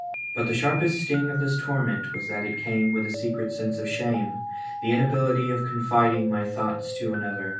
But the sharpest sting of this torment was that it came with a secret sense of shame, the inability of confiding my thoughts to another.